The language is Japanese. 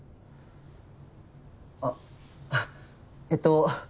あっえっと。